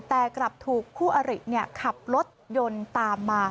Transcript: แต่กลับถูกคู่อริขับรถยนต์ตามมา